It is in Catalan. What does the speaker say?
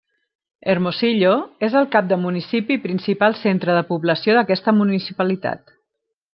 Hermosillo és el cap de municipi i principal centre de població d'aquesta municipalitat.